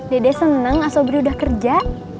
dede seneng aswabri udah kerja